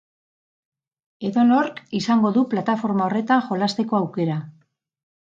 Edonork izango du plataforma horretan jolasteko aukera